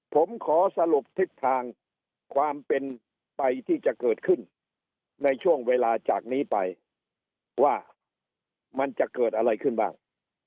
ผมขอสรุปทิศทางความเป็นไปที่จะเกิดขึ้นในช่วงเวลาจากนี้ไปว่ามันจะเกิดอะไรขึ้นบ้าง